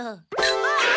あっ！